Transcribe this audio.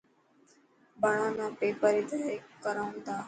ٻاران نا پيپر ري تياري ڪرائون ٿا.